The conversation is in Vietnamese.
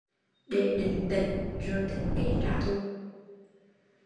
Để định tĩnh rồi tính kế trả thù